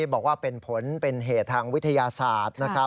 แล้วบอกว่าเป็นเภทังวิทยาศาสตร์